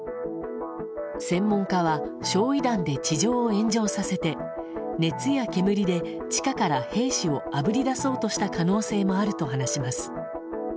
専門家は焼夷弾で地上を炎上させて熱や煙で地下から兵士をあぶり出そうとした可能性もあると話します。